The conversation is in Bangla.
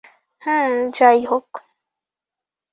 হুম, যাইহোক।